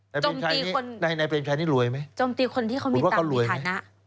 นายเปรมชัยนี่นายเปรมชัยนี่รวยไหมคุณว่าเขารวยไหมโอ้โฮ